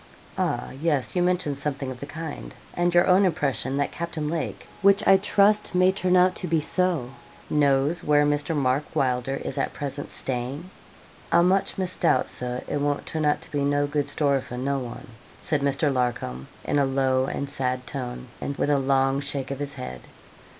'Ah, yes, you mentioned something of the kind; and your own impression, that Captain Lake, which I trust may turn out to be so, knows where Mr. Mark Wylder is at present staying.' 'I much misdoubt, Sir, it won't turn out to be no good story for no one,' said Mr. Larcom, in a low and sad tone, and with a long shake of his head.